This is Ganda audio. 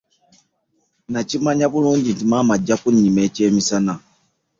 Nakimanya bulungi nti maama ajja kunyima ekyemisana.